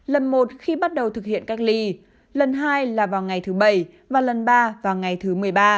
lần một khi bắt đầu thực hiện cách ly lần hai là vào ngày thứ bảy và lần ba vào ngày thứ một mươi ba